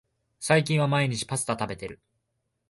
最近は毎日パスタ食べてる